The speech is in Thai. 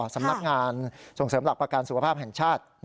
สำนักงานส่งเสริมหลักประกันสุขภาพแห่งชาติ